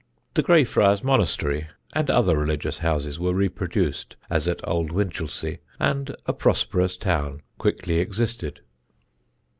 The Grey Friars monastery and other religious houses were reproduced as at Old Winchelsea, and a prosperous town quickly existed.